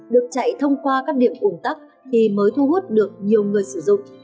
được chạy thông qua các điểm ủng tắc thì mới thu hút được nhiều người sử dụng